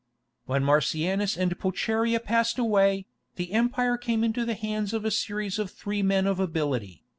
When Marcianus and Pulcheria passed away, the empire came into the hands of a series of three men of ability.